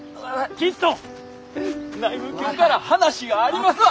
きっと内務から話がありますわ！